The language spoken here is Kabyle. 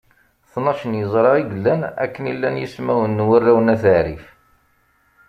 Tnac n yeẓra i yellan, akken i llan yismawen n warraw n At Ɛrif.